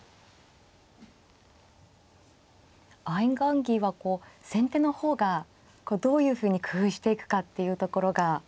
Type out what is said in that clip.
相雁木はこう先手の方がどういうふうに工夫していくかっていうところが。